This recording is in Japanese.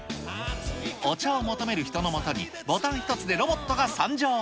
お茶を求める人のもとに、ボタン一つでロボットが参上。